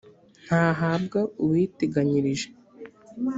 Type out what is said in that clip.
ntahabwa uwiteganyirije